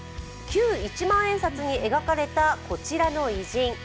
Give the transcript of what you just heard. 旧一万円札描かれたこちらの偉人。